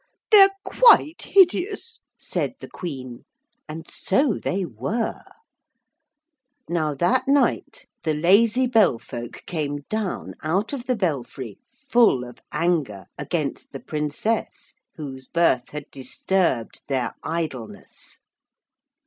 'They're quite hideous,' said the Queen. And so they were. Now that night the lazy Bell folk came down out of the belfry full of anger against the Princess whose birth had disturbed their idleness.